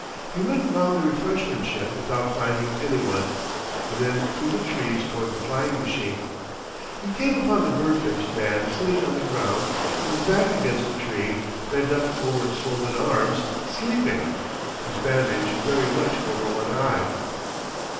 He went round the refreshment shed without finding any one, and then through the trees towards the flying machine. He came upon the bird faced man sitting on the ground with his back against a tree, bent up over his folded arms, sleeping, his bandage very much over one eye.